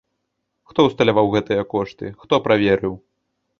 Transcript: Хто ўсталяваў гэтыя кошты, хто праверыў?